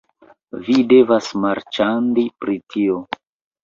Vi devas marĉandi pri ĉio